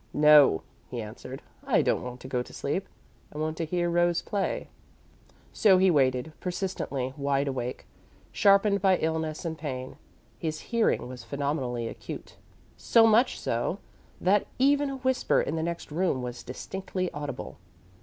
"No," he answered, "I don't want to go to sleep. I want to hear Rose play." So he waited, persistently wide awake. Sharpened by illness and pain, his hearing was phenomenally acute; so much so that even a whisper in the next room was distinctly audible.